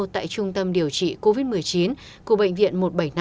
tại trung tâm điều trị covid một mươi chín của bệnh viện một trăm bảy mươi năm